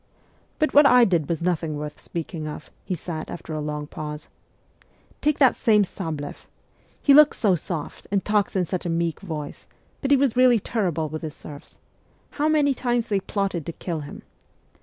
' But what I did was nothing worth speaking of,' he said after a long pause. ' Take that same Sableff : he looks so soft, and talks in such a meek voice ; but he was really terrible with his serfs. How many times they plotted to kill him